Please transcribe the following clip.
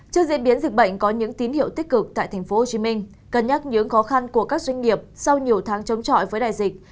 trước diễn biến dịch bệnh có những tín hiệu tích cực tại tp hcm cân nhắc những khó khăn của các doanh nghiệp sau nhiều tháng chống trọi với đại dịch